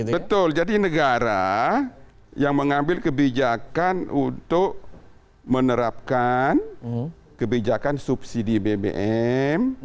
betul jadi negara yang mengambil kebijakan untuk menerapkan kebijakan subsidi bbm